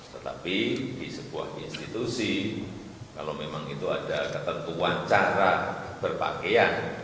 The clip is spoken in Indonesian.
tetapi di sebuah institusi kalau memang itu ada ketentuan cara berpakaian